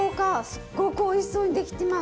すっごくおいしそうにできてます。